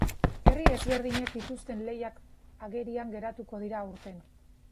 Herri ezberdinek dituzten lehiak agerian geratuko dira aurten.